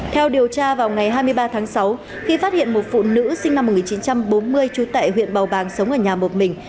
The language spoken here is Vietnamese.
theo điều tra vào ngày hai mươi ba tháng sáu khi phát hiện một phụ nữ sinh năm một nghìn chín trăm bốn mươi trú tại huyện bào bàng sống ở nhà một mình